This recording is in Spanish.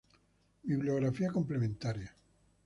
Bibliografía complementaria